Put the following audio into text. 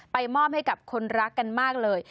มอบให้กับคนรักกันมากเลย